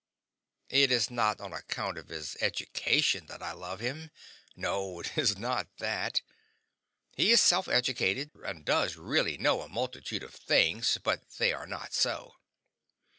It is not on account of his education that I love him no, it is not that. He is self educated, and does really know a multitude of things, but they are not so.